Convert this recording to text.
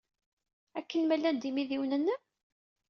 Akken ma llan d imidiwen-nnem?